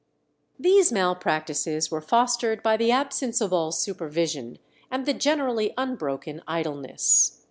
These malpractices were fostered by the absence of all supervision and the generally unbroken idleness.